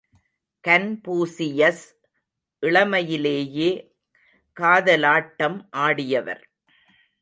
Confucius இளமையிலேயே காதலாட்டம் ஆடியவர்.